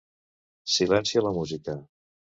Silencia la música.